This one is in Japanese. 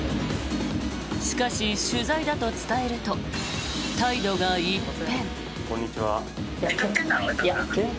しかし、取材だと伝えると態度が一変。